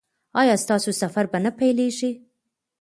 ایا ستاسو سفر به نه پیلیږي؟